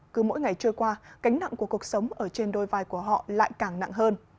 cứ mỗi ngày trôi qua cánh nặng của cuộc sống ở trên đôi vai của họ lại càng nặng hơn